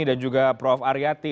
dan juga prof aryati